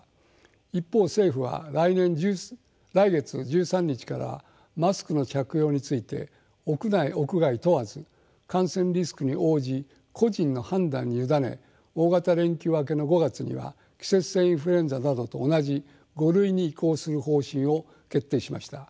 一方政府は来月１３日からはマスクの着用について屋内屋外問わず感染リスクに応じ個人の判断に委ね大型連休明けの５月には季節性インフルエンザなどと同じ「５類」に移行する方針を決定しました。